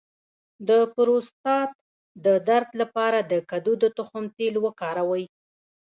د پروستات د درد لپاره د کدو د تخم تېل وکاروئ